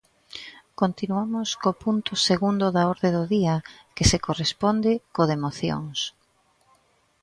Continuamos co punto segundo da orde do día, que se corresponde co de mocións.